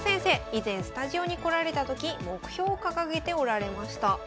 以前スタジオに来られた時目標を掲げておられました。